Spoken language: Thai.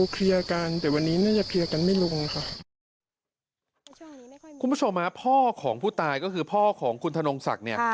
คุณผู้ชมฮะพ่อของผู้ตายก็คือพ่อของคุณธนงศักดิ์เนี่ย